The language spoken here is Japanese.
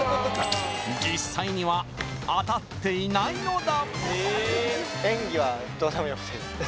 実際には当たっていないのだ